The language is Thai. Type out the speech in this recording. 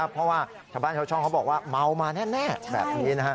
เพราะว่าชาวบ้านชาวช่องเขาบอกว่าเมามาแน่แบบนี้